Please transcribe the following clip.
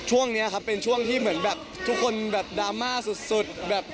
ช่วงนี้ครับเป็นช่วงที่เหมือนแบบทุกคนแบบดราม่าสุดแบบ